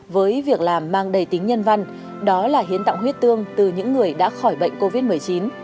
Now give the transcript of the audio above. với việc làm mang đầy tính nhân văn đó là hiến tặng huyết tương từ những người đã khỏi bệnh covid một mươi chín